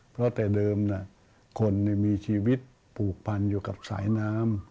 เพราะแต่เดิมคนมีชีวิตผูกพันอยู่กับสายน้ำ